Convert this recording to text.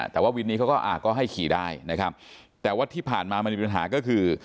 แต่ว่าวินนี้เขาก็อ่าก็ให้ขี่ได้นะครับแต่ว่าที่ผ่านมามันมีปัญหาก็คือ